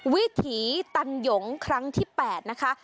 วิถีตันหยงครั้งที่๘นะคะ